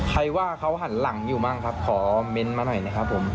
ใครว่าเขาหันหลังอยู่บ้างครับขอเม้นต์มาหน่อยนะครับผม